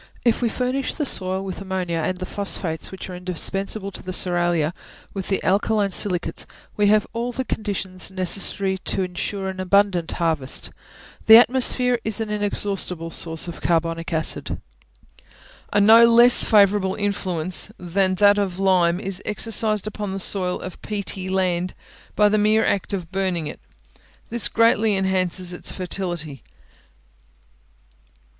If we furnish the soil with ammonia, and the phosphates, which are indispensable to the cerealia, with the alkaline silicates, we have all the conditions necessary to ensure an abundant harvest. The atmosphere is an inexhaustible store of carbonic acid. A no less favourable influence than that of lime is exercised upon the soil of peaty land by the mere act of burning it: this greatly enhances its fertility.